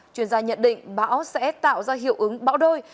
chuyên gia nhận định bão sẽ tạo ra hiệu ứng bão đôi